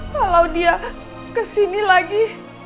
kalau dia kesini lagi